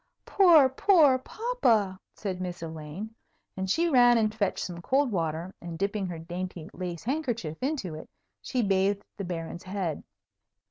"Poor, poor papa," said Miss Elaine. And she ran and fetched some cold water, and, dipping her dainty lace handkerchief into it, she bathed the Baron's head.